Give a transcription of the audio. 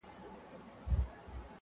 خو اصل شریعت انصاف